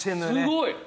すごい！